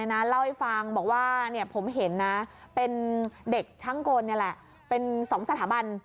เล่าให้ฟังบอกว่าผมเห็นเป็นเด็กทั้งคนเป็น๒สถาบัน